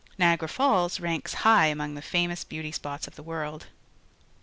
Niagara Falls ranks high among the famous beauty spots of the world.